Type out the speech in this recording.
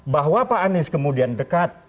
bahwa pak anies kemudian dekat